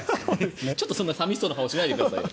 ちょっと寂しそうな顔しないでくださいよ。